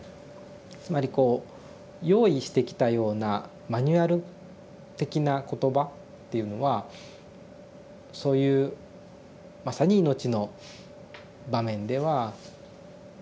つまりこう用意してきたようなマニュアル的な言葉っていうのはそういうまさに命の場面では通じるはずがない。